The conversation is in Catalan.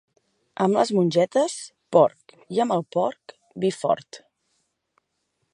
Amb les mongetes, porc, i amb el porc, vi fort.